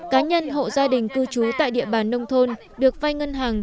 cá nhân hộ gia đình cư trú tại địa bàn nông thôn được vay ngân hàng